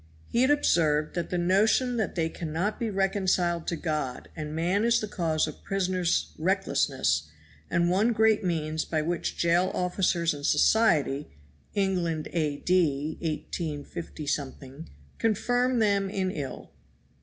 He had observed that the notion that they cannot be reconciled to God and man is the cause of prisoners' recklessness, and one great means by which jail officers and society, England A.D. 185 , confirm them in ill.